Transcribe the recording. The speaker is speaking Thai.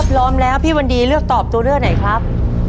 พร้อมแล้วพี่วันดีเลือกตอบตัวเลือกไหนครับ